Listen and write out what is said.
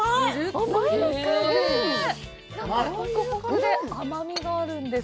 ホクホクで、甘みがあるんです。